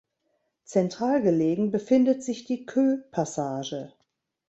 Zentral gelegen befindet sich die Kö-Passage.